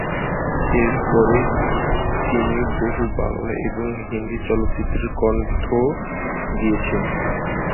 এর পরে, তিনি বহু বাংলা এবং হিন্দি চলচ্চিত্রে কণ্ঠ দিয়েছেন।